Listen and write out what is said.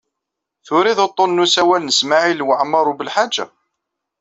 Turid uḍḍun n usawal n Smawil Waɛmaṛ U Belḥaǧ?